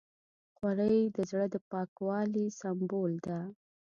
خولۍ د زړه پاکوالي سمبول ده.